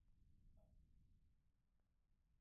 Bana nilaka kama siku ya ine batakuya kuniangalia kwetu